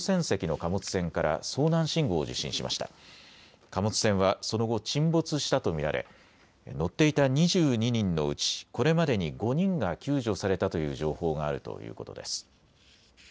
貨物船はその後、沈没したと見られ乗っていた２２人のうちこれまでに５人が救助されたという情報があるということです。